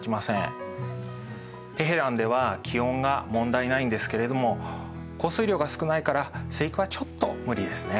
テヘランでは気温が問題ないんですけれども降水量が少ないから生育はちょっと無理ですね。